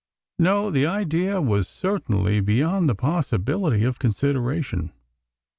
No, the idea was certainly beyond the possibility of consideration.